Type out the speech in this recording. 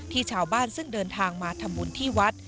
ที่ชาวบ้านซึ่งเดินทางมาทำบุญที่วัด